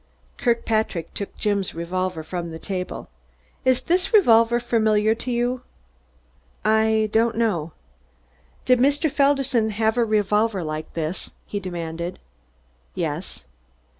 Kirkpatrick took Jim's revolver from the table. "Is this revolver familiar to you?" "I don't know." "Did Mr. Felderson have a revolver like this?" he demanded. "Yes."